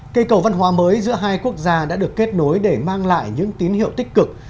cây cầu văn hóa mới giữa hai quốc gia đã được kết nối để mang lại những tín hiệu tích cực